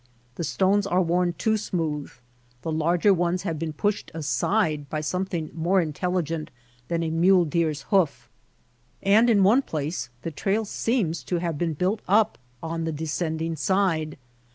The stones are worn too smooth, the larger ones have been pushed aside by something more intelligent than a mule deer^s hoof ; and in one place the trail seems to have been built up on the descending side.